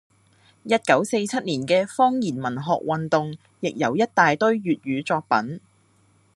一九四七年嘅方言文學運動亦有一大堆粵語作品